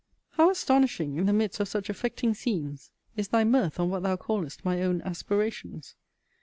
How astonishing, in the midst of such affecting scenes, is thy mirth on what thou callest my own aspirations!